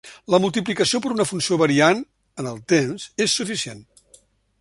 La multiplicació per una funció variant en el temps és suficient.